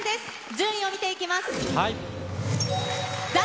順位を見ていきます。